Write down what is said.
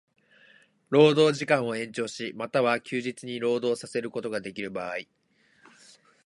労働時間を延長し、又は休日に労働させることができる場合